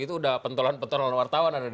itu sudah pentelan pentelan wartawan ada di situ